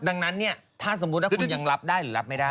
ดังนั้นเนี่ยถ้าสมมุติว่าคุณยังรับได้หรือรับไม่ได้